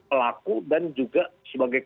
elapu dan juga sebagai